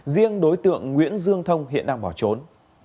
riêng đối tượng nguyễn dương thông hiện đang bỏ trốn